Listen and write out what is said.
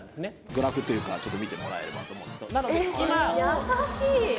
グラフというかちょっと見てもらえればと思うんですけど・優しい！